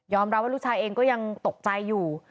รับว่าลูกชายเองก็ยังตกใจอยู่